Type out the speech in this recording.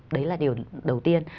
đấy là điều đầu tiên